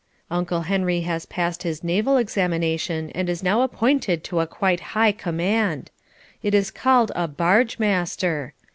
Uncle Henry has passed his Naval Examination and is now appointed to a quite high command. It is called a Barge Master.